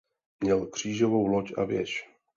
Měl křížovou loď a věž.